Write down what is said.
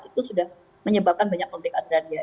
itu sudah menyebabkan banyak konflik agraria